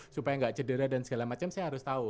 supaya nggak cedera dan segala macam saya harus tahu